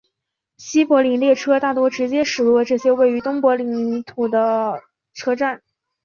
西柏林列车大多直接驶过这些位于东德领土的车站。